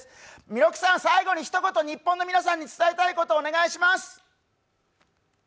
弥勒さん、最後に一言、日本の皆さんに伝えたいことをお願いします。